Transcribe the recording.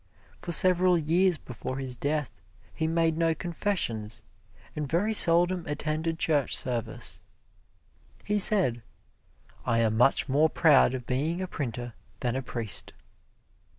For several years before his death he made no confessions and very seldom attended church service. He said, "I am much more proud of being a printer than a priest."